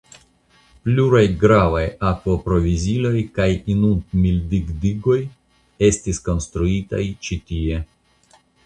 Pluraj gravaj akvoproviziloj kaj inundmildigdigoj estis konstruitaj ĉi tie.